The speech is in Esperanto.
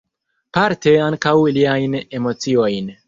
Parte ankaŭ iliajn emociojn.